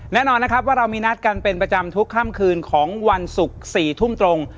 แน่นอนนะครับว่าเรามีนัดกันเป็นประจำทุกค่ำคืนของวันศุกร์๔ทุ่มตรง